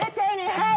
はい。